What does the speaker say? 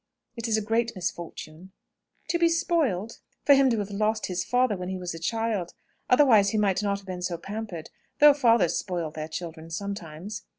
"It is a great misfortune " "To be spoiled?" "For him to have lost his father when he was a child. Otherwise he might not have been so pampered: though fathers spoil their children sometimes!"